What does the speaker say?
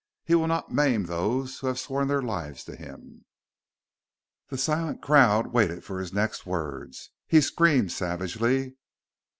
He will not maim those who have sworn their lives to Him!" The silent crowd waited for his next words. He screamed savagely.